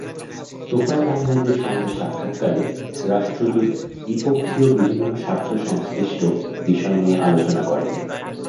তোফায়েল আহমেদের সঙ্গে সাক্ষাৎকালে রাষ্ট্রদূত দ্বিপক্ষীয় বিভিন্ন স্বার্থসংশ্লিষ্ট বিষয় নিয়ে আলোচনা করেন।